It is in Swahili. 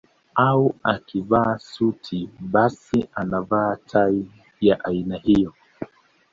Au akivaa suti basi anavaa tai ya aina hiyo